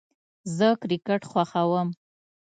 زه کرکټ خوښوم